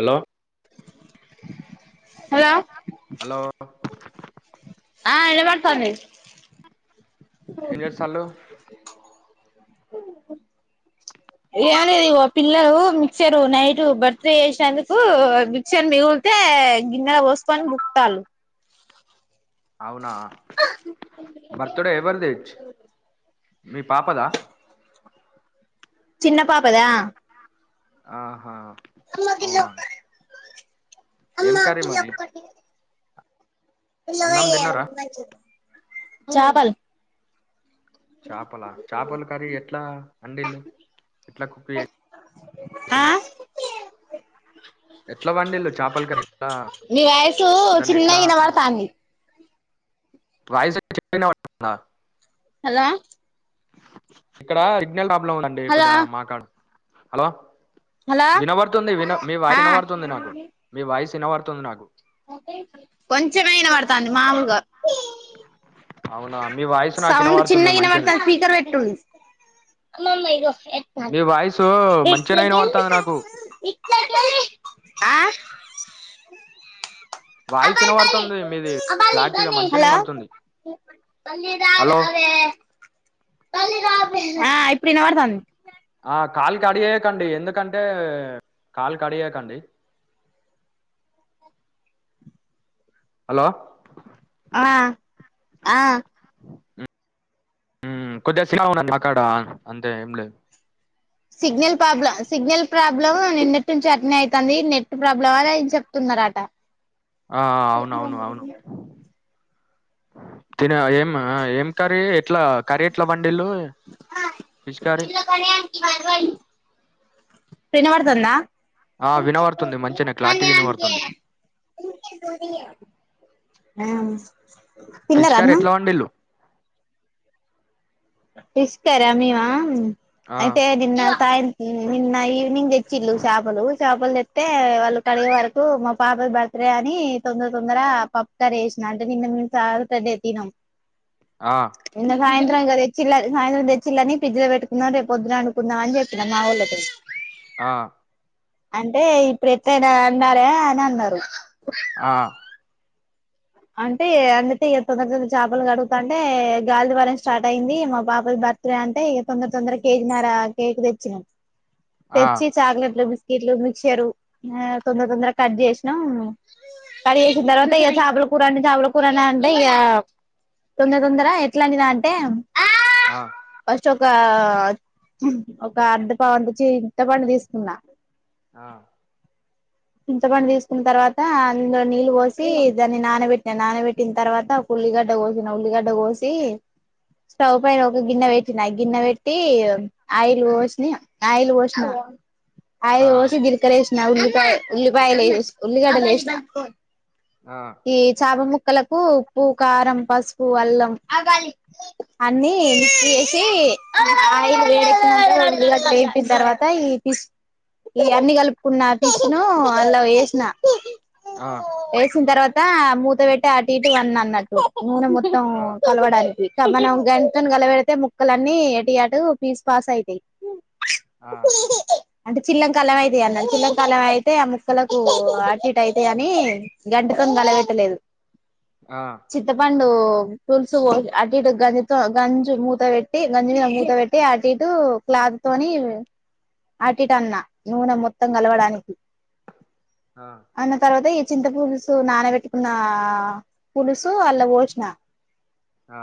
Hello hello hello ఆ వినవాడతంది ఏం చేస్తాళ్ళు ఎమ్ లేదు పిల్లలు మిక్చర్ నైట్ బర్త్డే చేేసినందుకు మిక్చర్ మిగిలుతే గిన్నెలో పోసుకొని బుక్తాళ్ళు అవునా బర్త్డే ఎవర్దే ష్ మీ పాపదా చిన్న పాపదా ఆహా అమ్మ గిల్ల అవునా ఒక్క ఏం కర్రీ మరి ఇల్ల అన్నం పోయే తిన్నారా ఆ చాపల్ చాపల చాపలు కర్రీ ఎట్లా అండీళ్ళు ఎట్లా కుక్ ఆ చేసిళ్ళు ఎట్లా వండిళ్లు చాపల కర్రీ ఎట్లా మీ వాయిసు దాన్ని చిన్నగా ఎట్లా వినబడతాంది వాయిస్ చిన్న గా వినబడతంద హలో ఇక్కడ సిగ్నల్ ప్రాబ్లం ఉందండి హలో కొద్దిగా మాకాడ హలో హలో వినబడుతుంది విన మీ వాయిస్ ఆ వినబడుతుంది నాకు మీ వాయిస్ వినవడుతుంది నాకు కొంచెమే వినపడుతాంది మామూలుగా అవునా మీ వాయిస్ నాకు సౌండ్ వినబడుతుంది చిన్నగ మంచిగానే వినపడతంది స్పీకర్ పెట్టు అమ్మ మ్మ ఇగో మీ వాయిస్ మంచిగానే వినబడుతుంది నాకు ఆ వాయిస్ వినబడుతుంది మీది క్లారిటీగా మంచిగానే హలో వినబడుతుంది హలో ఆ ఇ వినపడతంది ఆ కాల్ కడ్ చేయకండి ఎందుకంటే కాల్ కడ్ చేయకండి హలో ఆ ఆ ఉ ఉ కొద్దిగ సిగ్నల్ ఉన్నది మకడ ఏం లే సిగ్నల్ ప్రాబ్లం సిగ్నల్ ప్రాబ్లం నిన్నటి నుంచి అట్టనే అయితంది. నెట్ ప్రాబ్లం అనై చెప్తున్నారట. ఆ అవునవును అవును తిను ఏమ్మ ఏం కర్రీ ఎట్లా కర్రీ ఎట్ల వండిల్లు ఫిష్ కర్రీ వినపడుతుందా ఆ వినబడుతుంది మంచిగానే క్లారిటీగా వినబడుతుంది ఆ ఫిష్ తిన్నారా కర్రీ అన్నం ఎట్లా వండిళ్ళు ఫిష్కర్రా మేమా ఆ అయితే ఏ దన్న తా [unintelligible] నిన్న ఈవినింగ్ తెచ్చిళ్ళు చేపలు చేపలు తెత్తే వాళ్ళు కడిగే వరకు మా పాప బర్త్డే అని తొందర తొందర పప్పు చారు వేసిన అంటే నిన్న మేము చార్ తోనే తిన్నం. ఆ సాయంత్రంగా తెచ్ చిల్లలు సాయంత్రం తెచ్చిల్లని ఫ్రిడ్జ్ లో పెట్టుకున్నం రే పొద్దున వండుకుందం అని చెప్పినా మా ఊళ్ళతో ఆ అంటే ఇప్పుడు ఎట్లైనా వండాలె అని అన్నారు. ఆ అంటే అందుకే ఇక తొందర తొందర చేపలు కడుగుతాంటే గాలిదుమారం స్టార్ట్ అయ్యింది. మా పాపది బర్త్డే అంటే ఇక తొందర తొందర కేజీన్నర కేక్ తెచ్చినాం. ఆ తెచ్చి చాక్లెట్లు బిస్ ఇట్లు మిక్చరు తొందర తొందర కట్ చేసినాం. కడిగేసిన తర్వాత ఇక చేపలు కూరంటే చేపల కూరనా అంటే య తొందర తొందర ఎట్లోండిన అంటే ఆ ఫస్ట్ ఒక ఒక అర్ధ నావంతు చి చింత పండు తీసుకున్నా ఆ చింతపండు తీసుకున్న తర్వాత అందులో నీళ్ళు పోసి దాన్ న్నీ నానబెట్టి నా నానబెట్టిన తర్వాత ఒక ఉల్లిగడ్డ కోసిన ఉల్లిగడ్డ కోసి స్టవ్ పైన ఒక గిన్నె పెట్టినా ఆ గిన్నె పెట్టి ఆయిల్ పోసిన ఆయిల్ పోసిన ఆయిల్ ఆ పోసి జిలకరేసి నా ఉల్లిపాయ ఉల్లిపాయలుఏసి ఉల్లిగడ్డ లేసినా ఆ ఆ ఏ చాప ముక్ ముక్కలకు ఉప్పు కారం పసుపు అల్లం అన్నీ మిక్స్ చేసి ఆయిల్ వేడెక్కినాక ఉల్లిగడ్డ వేపిన తర్వాత ఈ ఫిష్ ఈ అన్ని కలుపుకున్న ఫిష్ ను అందులో వేసిన ఏసిన తర్వాత తే మూత పెట్టి అటు ఇటు వన్న అన్నట్టు నూనె మోత్ మొత్తం ఆ కలవడానికి మనం గంటితోన గలబెడితే ముక్కలన్నీ ఎటైఅటు పీస్ పాస్ అయితయి. ఆ అంటే చిల్లం కళ్ళం అయితని అన్నా చిల్లం కళ్ళం అయితే ఆ ముక్కలకు ఆటి ఇటు అయిత అని గంట ముక్కను కలబెట్టలేదు హా పండ్ పులుసు పోసి అటు ఇటు గంజితో గంజు మూత పెట్టి గంజి మీద మూత పెట్టి అటు ఇటు క్లాత్ తోని అటుఇటు అన్న నూనె మొత్తం కలవడానికి అన్న తర్వాత ఇప్పుడు చింత పులుసు నానబెట్టుకున్న పులుసు వాళ్ళకు పోసిన ఆ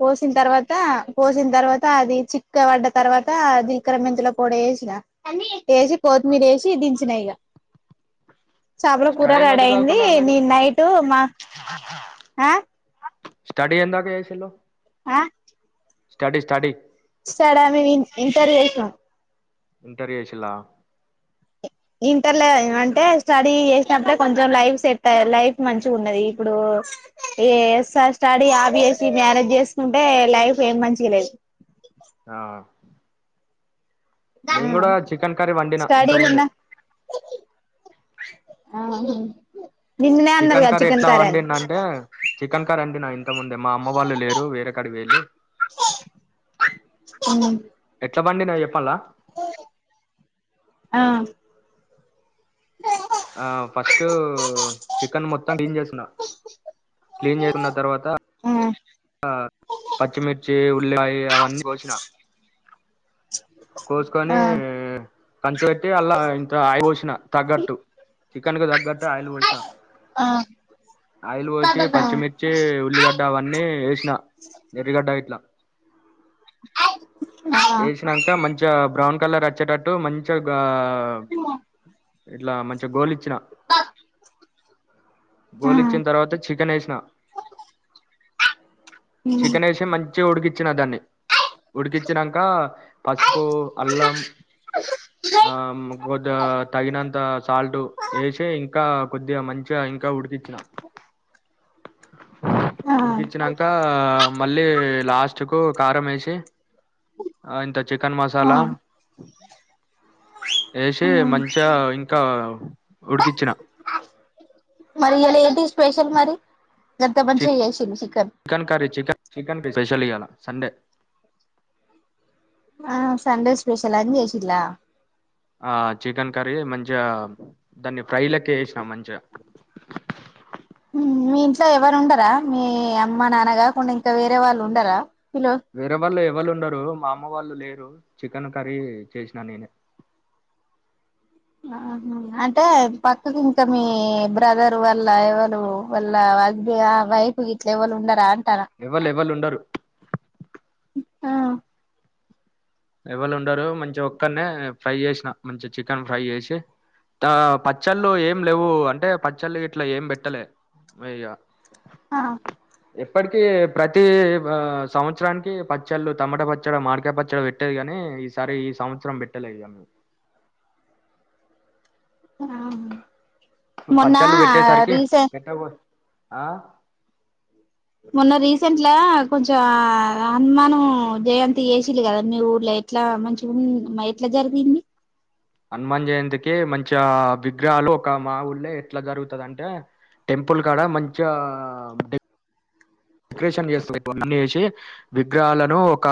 పోసిన తర్వాత పోసిన తర్వాత అది చిక్క పడ్డ తర్వాత జిలకర మెంతుల పొడి వేసిన వేసి కొత్తిమీర వేసి దించినా ఇక చేపల కూర స్టడీ ఎందాక రడయింది చదువుకున్నారు ఎమ్ మీరు నీ నైటు మా ఆ స్టడీ ఎందాకా చేసిండు హా స్టడీ స్టడీ స్టడా నేను ఇంటర్ చేసిన ఇంటర్ చేసిళ్ళ ఇంటర్లో అంటే స్టడీ చేసినప్పుడే కొంచెం లైఫ్ సెట్ అయి లైఫ్ మంచిగ ఉన్నది ఇప్పుడు ఏ స్టడీ ఆపేసి మ్యారేజ్ చేసుకుంటే లైఫ్ ఏం మంచిగా లేదు ఆ నేను కూడా ఆ చికెన్ కర్రీ వండినా ఇంత స్టడీలున్న ముందే ఆహ హహ్ చికెన్ కర్రీ ఎట్లా వండిన్ అంటే చికెన్ కర్రీ [inaudible] ఇంతకముందు మా అమ్మ వాళ్ళు లేరు వేరే కాడికి పోయిండ్రు అని ఎట్లా వండిన్నో చెప్పాలా ఆహ్ ఆ ఫస్ట్ చికెన్ మొత్తం క్లీన్ చేసిన క్లీన్ చేసుకున్న తరవాత [inaudible] ఉల్లిపాయ అవన్నీ కోసిన కోసుకొని ఆ ఈ కంచ పెట్టి అలా ఇంత ఆయిల్ పోసిన తగ్గట్టు చికెన్ కు తగ్గట్టు ఆయిల్ పోసిన ఆయిల్ పోసి ఆ పచ్చి మిర్చి ఉల్లిగడ్డ అవన్నీ ఏ వేసిన ఎర్రగడ్డ ఇట్లా ఆ ఆ వేసినాక మంచిగ బ్రౌన్ కలర్ వచ్చేటటు మంచిగా వావ్ [unintelligible] ఇట్లా మంచిగా కోళ్ళు ఇచ్చిన ఆ గోలిచ్చిన తర్వాత చికెన్ వేసిన చికెన్ యేషి మంచిగా ఉడుకి చినా దాన్ని ఉడికించినాక పసుపు అల్లం ఆ కొద్ది తగినంత సాల్ట్ వేసి ఇంకా కొద్దిగా మంచిగా ఇంకా ఉడికి చిన ఆ ఉడికించ్చినాక మళ్ళీ లాస్ట్ కు కారం ఎసి ఇంత చికెన్ మసాలా వేసి మంచిగా ఇంకా ఉడుకిచ్చిన మరి ఇయలా ఏంటి స్పెషల్ మరి ఎంత మంచిగా చేసిన్ చి చికెన్ కరీ చికెన్ చికెన్ ప స్పెషల్ ఇయాలా సండే ఆ సండే స్పెష్యల్ అని చేశీళ్ల ఆ చికెన్ కర్రీ మంచి ధన్ తైలకేేషా మంచిగా మీ ఇంట్లో ఎవరు ఉండరా మీ అమ్మ నాన్న కాకుండా ఇంకా వేరే వాళ్ళు ఉండరా పిలో వేరే వాళ్ళు ఎవళు ఉన్నారు మా అమ్ మ్మ వాళ్ళు లేరు చికెన్ కర్రీ చేసినా నేనే ఆహా అంటే పక్కకి ఇంకా మీ బ్రదర్ వల్ల ఎవళు వాళ్ళ హజ్బ్ ఆ వైఫ్ గిట్లా ఎవళు ఉండారా అం ఎవళ్ ఎవ్వళు ఉండరు ఆ ఎవళ్ ఉండరు మంచిగ ఒక్కనే ఫ్రై చేసిన మంచి చికెన్ ఫ్రై చేసి పచ్చళ్ళు ఏం లేవు అంటే పచ్చళ్ళు ఇట్లా ఏం పెట్టలే ఇగ, ఆ ఎప్పటికి ప్రతి బా సంవత్సరానికి పచ్చళ్ళు టమాటా పచ్చడ మాడికాయ పచ్చడ పెట్ టేది గానీ ఈసారి ఈ సంవత్సరం పెట్టలే ఇగ మేం ఆహా మొన్న పచ్చళ్ళు పెట్టేసరికి రీసెం పెట్టబో ఆ మొన్న రీసెంట్ లా కొంచెం హనుమాను జయంతి చేశిల్లు కద మీ ఊర్లో ఎట్లా మంచిగు ఎట్లా జరిగింది. హనుమాన్ జయంతికి మంచిగా విగ్రహాలు ఒక మా ఊళ్ళో ఎట్లా జరుగుతది, అంటే టెంపుల్ కాడ మంచిగా డె కరేషన్ చేస్తూరు ఇప్పుఅన్నీ చేసి విగ్రహాలను ఒక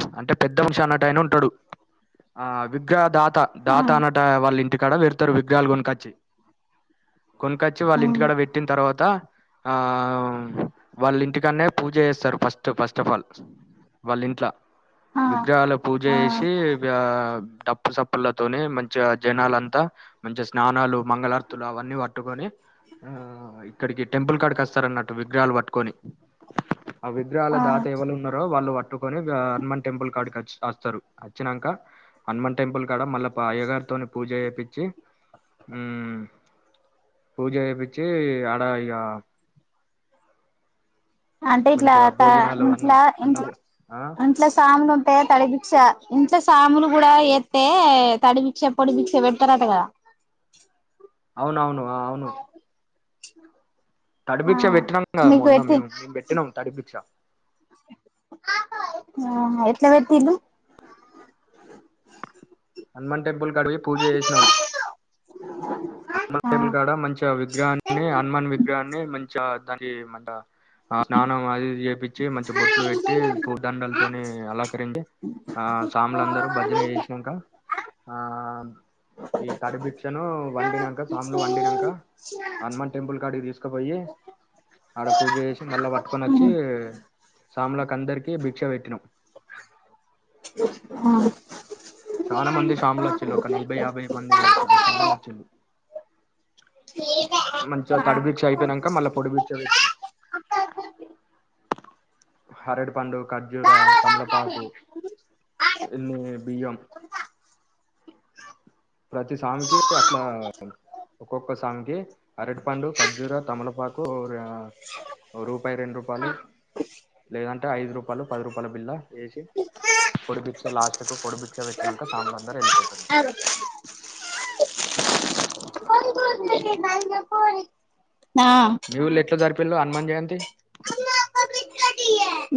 ప్చ్ అంటే పెద్ద మనిశన్నటైన ఉంటాడు, ఆ విగ్రహదా త ఆ దాత అన్నటాయ వాళ్ళ ఇంటికాడ వెడు త్తరు విగ్రహాలు కొనకచ్చి కొనుకొచ్చి ఆ వాళ్ళు ఇంటికాడ పెట్టిన తర్వాత ఆహ్ వాళ్ళ ఇంటికాన్నే పూజ చేస్తారు ఫస్ట్ ఫస్ట్ ఆఫ్ ఆల్ వాళ్ళింట్ల ఆ విగ్రహాల పూజ ఆ జేషి వ్యా డప్పు సప్పులతోనే మంచిగ జనాలంతా మంచిగ స్నానాలు మంగళార్తులు అవన్నీ పట్టుకొని ఆ ఇక్కడికి టెంపుల్ కాడకి అస్తరన్నట్టు విగ్రహాలు పట్టు కొని ఆ విగ్రహాల ఆ దాత ఎవళున్నరో వాళ్ళు పట్ పట్టుకొని వ్యా హనుమాన్ టెంపుల్ కాడికి వచ్ అస్తారు అచ్చినంక హనుమాన్ టెంపుల్ కాడ మళ్ళా పా అయ్య గారితోని పూజేపిచ్చి మ్మ్ పూజ జేపిచ్చి ఆడ ఇగ అంటే ఇట్లా మంచిగా త భోజనాలు అన్న ఇంట్లా అన్న ఇంట్ల ఆ? ఇంట్ల సాములుంటే తడి దిక్ష ఇంట్ల సాములు కూడా ఎత్తే తడి బిక్షా పొడి బిక్ష పెడతారట గా అవునవును ఆ అవును ఆ తడిబిక్ష పెట్టినాం కదా మీకు మొన్న పెట్టి మేము మేమ్ పెట్టినం తడిబిక్ష ఆహ ఎట్లా పెట్టిళ్ళు హనుమాన్ టెంపుల్ కాడి పోయి పూజ జేషినం హనుమాన్ ఆ టెంపుల్ కాడ మంచిగా విగ్రహాన్ని హనుమాన్ విగ్రహాన్ని మంచిగా దానికి మంట ఆ స్నానం అదిఇది చేపిచ్చి మంచిగ బొట్లు పెట్టి పూ దండలతోని అలంకరించి ఆ సాములు అందరూ భజన జేషినంక ఆ ఈ తడి భిక్షను వండినంక సాములు వండినంక హనుమాన్ టెంపుల్ కాడికి తీసుకుపోయి ఆడ పూజ జేసి మళ్ళా పట్టుకొనొచ్చి సాముల కందరికి భిక్ష పెట్టినం చాలా మంది సాములచిళ్ళు ఒక నలభై యాభై మంది సాములచిళ్ళు మంచిగా తడి ఆ బిక్ష అయిపోయినంక మళ్ళా పొడి బిక్ష పెట్టినం అరటిపండు ఖర్జూర తమలపాకు ఇన్ని బియ్యం ప్రతి సామికి అట్లా ఒక్కొక్క సామికి అరటిపండు ఖర్జూర తమలపాకు రా రూపాయి రెండు రూప్ పాలు లేదంటే ఐదు రూపాయలు పది రూపాయల బిల్లా ఎషి పొడి బిక్ష లాస్ట్ కు పొడి బిక్ష పెట్టినంక సాములు అందరు ఎళ్ అరో కోడి మీవుళ్ళ ఎట్ల జరపు పిల్లు హనుమాన్ జయంతీ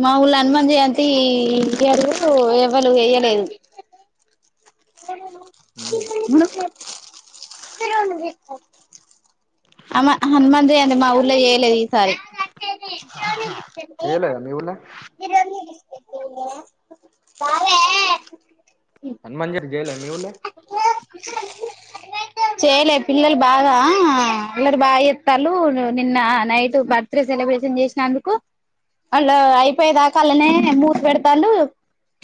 మా ఊళ్లా హనుమాన్ జయంతీ ఈ ఇయరు ఎవరు వేయలేదు ఉమ్. మ్ [unintelligible] హమా హనుమంత జయంతి మా ఊర్ల జయలేదు ఈసారి చేయలేదా మీ ఊళ్ళ కాాల హనుమాన్ జయతి జేయలే మీ ఊర్లే చేయలే పిల్లలు బాగా అల్లరి బాగా చేత్తరు. నిన్న నైట్ బర్త్డే సెలబ్రేషన్ చేసినందుకు వాళ్ళు అయి పోయేదాకా అళ్నే మూసి పెడతండు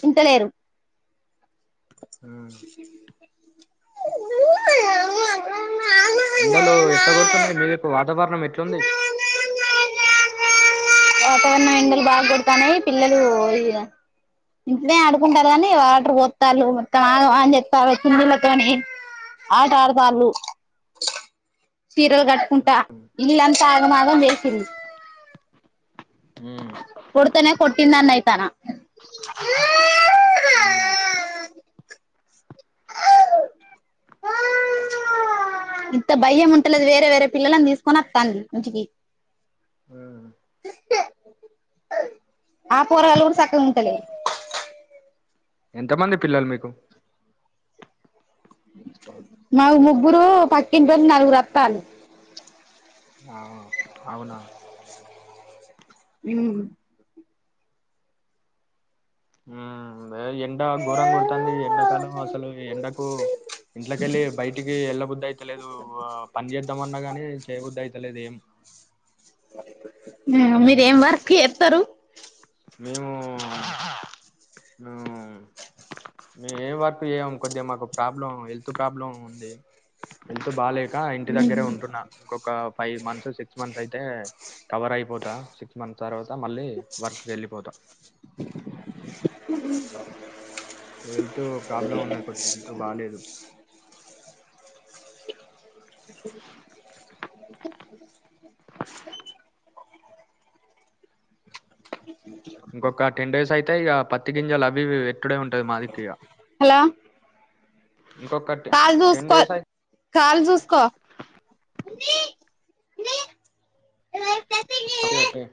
ఇంటలేరు. ఉ ఎండలు ఎట్లాకొడుతున్నాయి. మీకు వాతావరణం ఎట్లుంది. వాతావరణం, ఎండలు బాగా కొడుతున్నాయి. పిల్లలు ఇగ ఇప్పుడే ఆడుకుంటారు కాని, వాటర్ పోతాలు మొత్తం ఆగం చేస్తున్నారు. చున్నిళ్లతోని ఆట అడ్తాలు. చీరలు కట్టుకుంటా ఇల్లంతా ఆగమాగం చేస్ ప్రీ ఉ కొడుతనే కొటిందన్ అయితనా ఇంత భయం ఉంటలేదు. వేరే వేరే పిల్లలని తీసుకొని వస్తంది ఇంటికి ఆ పోరాగాళ్ళు కూడా చక్కగా ఉంటలే. ఎంతమంది పిల్లలు మీకు మాకు ముగ్గురు పక్కింటోలు నలుగురు వాత్తాళ్లు ఆ, అవునా ఉ ఊ ఏ ఎండ ఘోరం కొడుతంది. ఎండాకాలం అసలు ఎండకు ఇంట్లకెళ్ళి బయటికి వెళ్ళబుద్ధి అయితలేదు. పని చేేద్దాంమన్నా కానీ చేయబుద్ధి అయితలేదు. ఏం మీరు ఏం ఉమ్, వర్క్ చేత్తరు మేము ము మేము ఏ వర్కు చెయ్యము. కొద్దిగా మాకు ప్రాబ్లం హెల్త్ ప్రాబ్లం ఉంది. హెల్త్ బాలే అ ఇంటి దగ్గరే ఉంటున్నా ఒక ఫైవ్ మంత్స్ సిక్స్ మంత్స్ అయితే కవర్ అయిపోతా సిక్స్ మంత్స్ తర్వా అ మళ్ళీ వర్క్ కీ వెళ్ళిపోతా హెల్త్ ప్రాబ్లం ఉన్నాయి. కొద్దిగా ఎల్తు బాలేదు. ఇంకొక టెండేస్ అయితే ఇగ పత్తి గింజల్ అబివి వె ఇక్కడే ఉంటది మాదికీయా హలో కాల్ టెన్ చూసుకో డేస్ కాల్ చూసుకో మమ్మీ ఎమన్నాయితే అే అట్టే